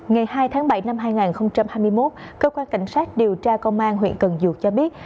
ngày hai tháng bảy năm hai nghìn hai mươi một cơ quan cảnh sát điều tra công an huyện cần duột cho biết